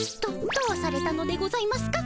どどうされたのでございますか？